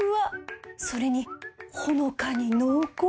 それにほのかに濃厚